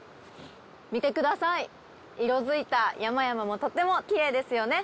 見てください色づいた山々もとてもきれいですよね。